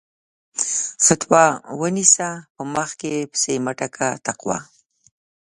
فَتوا ونيسه په مخ کې پسې مٔټه کړه تقوا